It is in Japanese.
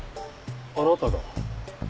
あなたが？